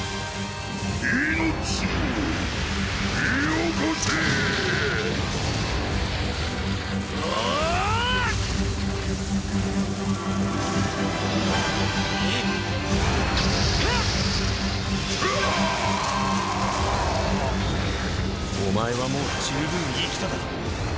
命をよこせ‼お‼ぐわ‼お前はもう十分生きただろ。